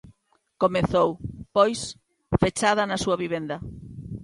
Comezou, pois, fechada na súa vivenda.